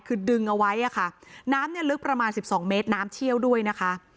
คือดึงเอาไว้น้ำลึกประมาณ๑๒เมตรน้ำเชี่ยวด้วยนะคะ